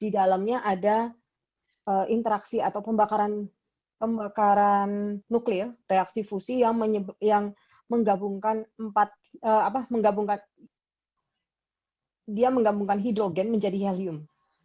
di dalamnya ada interaksi atau pembakaran nuklir reaksi fusi yang menggabungkan hidrogen menjadi helium